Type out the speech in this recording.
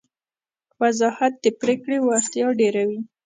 وضاحت د پرېکړې وړتیا ډېروي.